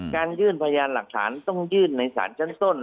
ยื่นพยานหลักฐานต้องยื่นในศาลชั้นต้น